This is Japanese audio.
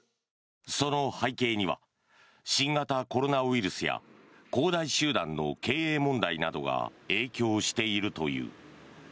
その背景には新型コロナウイルスや恒大集団の経営問題などが影響しているという。